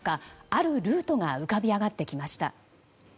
あるルートが浮かび上がってきました。